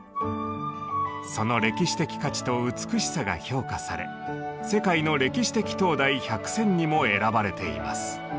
その歴史的価値と美しさが評価され「世界の歴史的灯台１００選」にも選ばれています。